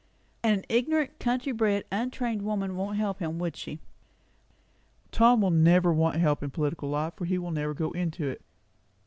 "And an ignorant, country bred, untrained woman wouldn't help him, would she?" "Tom will never want help in political life, for he will never go into it.